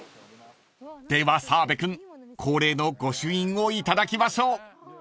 ［では澤部君恒例の御朱印を頂きましょう］